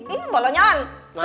ini bolonya kan